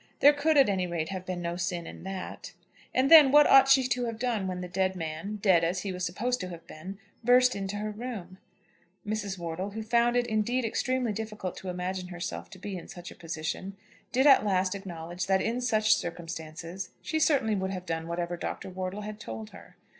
There could, at any rate, have been no sin in that. And then, what ought she to have done when the dead man, dead as he was supposed to have been, burst into her room? Mrs. Wortle, who found it indeed extremely difficult to imagine herself to be in such a position, did at last acknowledge that, in such circumstances, she certainly would have done whatever Dr. Wortle had told her.